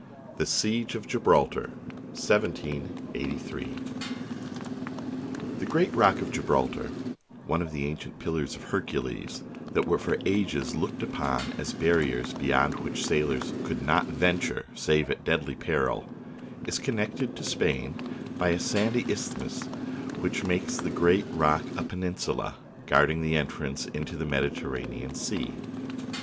THE SIEGE OF GIBRALTAR, 1783 THE great Rock of Gibraltar, one of the ancient " Pillars of Hercules " that were for ages looked upon as barriers beyond which sailors could not venture save at deadly peril, is connected to Spain by a sandy isthmus which makes the great rock a peninsula, guarding the entrance into the Mediterranean Sea.